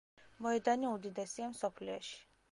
მოედანი უდიდესია მსოფლიოში.